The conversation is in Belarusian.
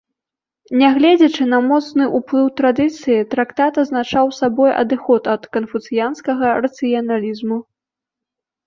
Нягледзячы на моцны ўплыў традыцыі, трактат азначаў сабой адыход ад канфуцыянскага рацыяналізму.